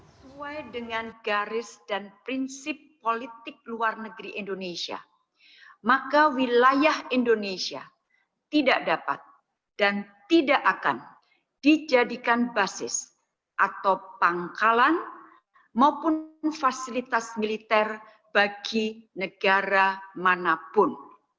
sesuai dengan garis dan prinsip politik luar negeri indonesia maka wilayah indonesia tidak dapat dan tidak akan dijadikan basis atau pangkalan maupun fasilitas militer bagi negara manapun